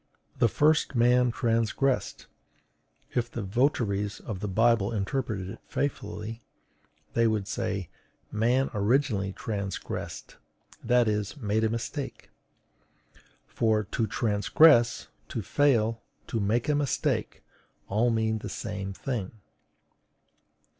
"The first man transgressed." If the votaries of the Bible interpreted it faithfully, they would say: MAN ORIGINALLY TRANSGRESSED, that is, made a mistake; for TO TRANSGRESS, TO FAIL, TO MAKE A MISTAKE, all mean the same thing.